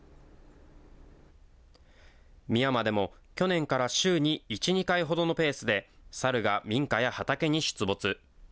美山でも、去年から週に１、２回ほどのペースでサルが民家や畑に出没。